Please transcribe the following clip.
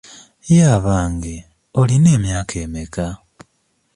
Ye abange olina emyaka emeka?